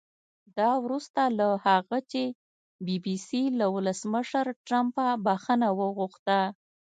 دا وروسته له هغه چې بي بي سي له ولسمشر ټرمپه بښنه وغوښته